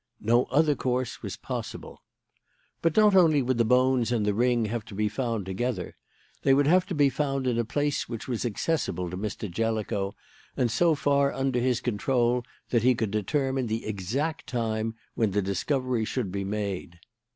No other course was possible. "But not only would the bones and the ring have to be found together. They would have to be found in a place which was accessible to Mr. Jellicoe, and so far under his control that he could determine the exact time when the discovery should be made.